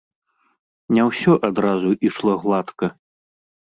Не ўсё адразу ішло гладка.